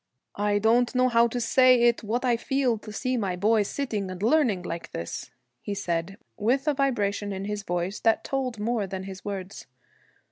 'I don't know how to say it what I feel to see my boy sitting and learning like this,' he said, with a vibration in his voice that told more than his words.